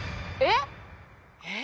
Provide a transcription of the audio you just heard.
えっ？